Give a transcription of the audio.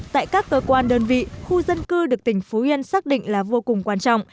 tại các cơ quan đơn vị khu dân cư được tỉnh phú yên xác định là vô cùng quan trọng